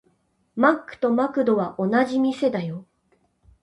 マックとマクドは同じ店だよ。